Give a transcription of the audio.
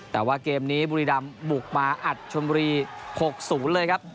แต่ว่าเกมนี้บุรีรำบุกมาอัดชนบุรี๖๐เลยครับ